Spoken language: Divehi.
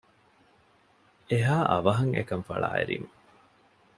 އެހާ އަވަހަށް އެކަން ފަޅާއެރީމަ